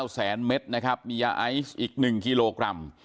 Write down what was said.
แสนเมตรนะครับมียาไอซ์อีก๑กิโลกรัม